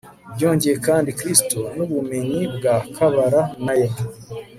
byongeye kandi kristu n'ubumenyi bwa kabala nayo